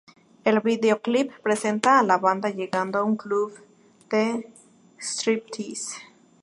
El videoclip presenta a la banda llegando a un club de "striptease".